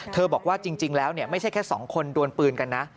บอกว่าจริงแล้วไม่ใช่แค่สองคนดวนปืนกันนะ